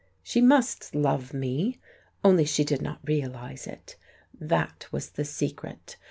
She must love me, only she did not realize it. That was the secret!